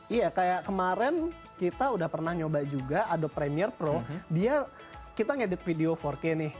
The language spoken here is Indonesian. iya kayak kemarin kita udah pernah nyoba juga adop premier pro dia kita ngedit video empat k nih